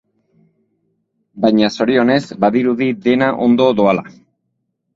Baina, zorionez, badirudi dena ondo doala.